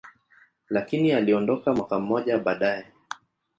lakini aliondoka mwaka mmoja baadaye.